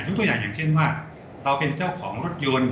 ตัวอย่างอย่างเช่นว่าเราเป็นเจ้าของรถยนต์